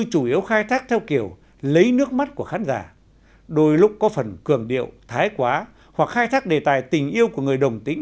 chủ yếu khai thác theo kiểu lấy nước mắt của khán giả đôi lúc có phần cường điệu thái quá hoặc khai thác đề tài tình yêu của người đồng tính